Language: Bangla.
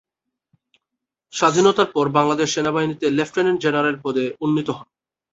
স্বাধীনতার পর বাংলাদেশ সেনাবাহিনীতে লেফটেন্যান্ট জেনারেল পদে উন্নীত হন।